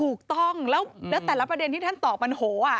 ถูกต้องแล้วแต่ละประเด็นที่ท่านตอบมันโห